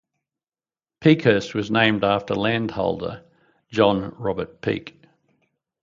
Peakhurst was named after landholder John Robert Peake.